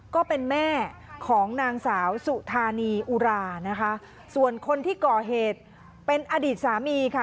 ก็เป็นแม่ของนางสาวสุธานีอุรานะคะส่วนคนที่ก่อเหตุเป็นอดีตสามีค่ะ